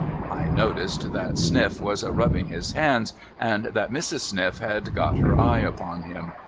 I noticed that Sniff was a rubbing his hands, and that Mrs. Sniff had got her eye upon him.